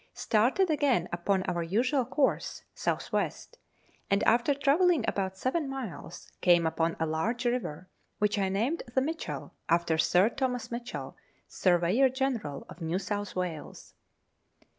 Started again upon our usual course (south west), and, after travelling about seven miles, came upon a large river, which I named the Mitchell, after Sir Thomas Mitchell, Surveyor General of New South Wales.